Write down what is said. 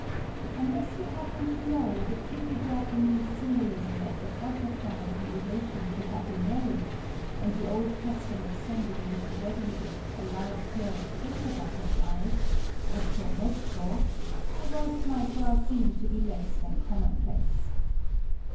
_" Unless you happen to know the pretty Japanese symbolism of the butterfly in relation to happy marriage, and the old custom of sending with the wedding gift a large pair of paper butterflies (ochō mechō), the verse might well seem to be less than commonplace.